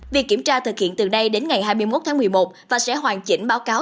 việc kiểm tra thực hiện từ nay đến ngày hai mươi một tháng một mươi một và sẽ hoàn chỉnh báo cáo